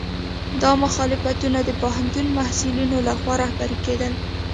دا مخالفتونه د پوهنتون محصلینو لخوا رهبري کېدل.